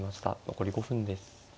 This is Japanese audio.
残り５分です。